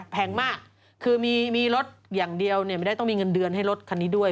แพงมากคือมีรถอย่างเดียวไม่ได้ต้องมีเงินเดือนให้รถคันนี้ด้วย